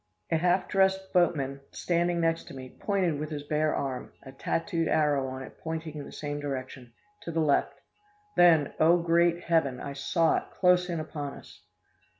A half dressed boatman, standing next me, pointed with his bare arm (a tattooed arrow on it, pointing in the same direction) to the left. Then, O great Heaven, I saw it, close in upon us!